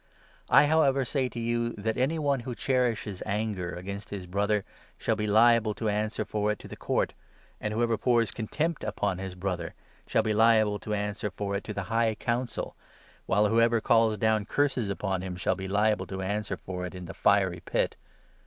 I , however, say to you that any one wTio cherishes anger against his brother shall be liable to answer for it to the Court ; and whoever pours contempt upon his brother shall be liable to answer for it to the High Council, while whoever calls down curses upon him shall be liable to answer for it in the fiery Pit.